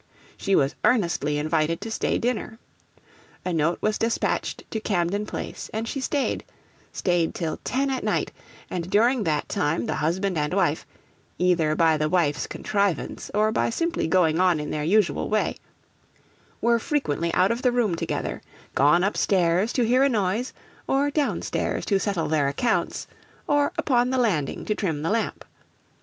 She was earnestly invited to stay dinner. A note was despatched to Camden Place, and she staid staid till ten at night; and during that time the husband and wife, either by the wife's contrivance, or by simply going on in their usual way, were frequently out of the room together gone upstairs to hear a noise, or downstairs to settle their accounts, or upon the landing to trim the lamp.